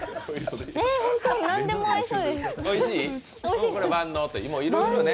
本当に何でも合いそうですね。